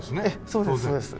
そうですそうです。